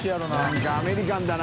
燭アメリカンだな。